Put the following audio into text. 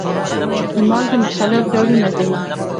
د مالګې مختلف ډولونه دي.